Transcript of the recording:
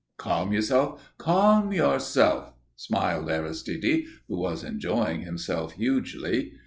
"Calm yourself, calm yourself!" smiled Aristide, who was enjoying himself hugely.